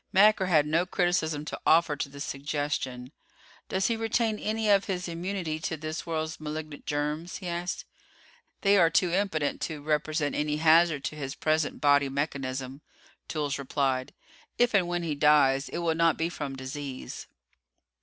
Macker had no criticism to offer to this suggestion. "Does he retain any of his immunity to this world's malignant germs?" he asked. "They are too impotent to represent any hazard to his present body mechanism," Toolls replied. "If and when he dies, it will not be from disease."